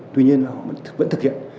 tuy nhiên họ vẫn thực hiện